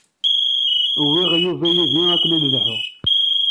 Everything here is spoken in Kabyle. Wwiɣ Yuba yid-i i wakken ad nelḥu.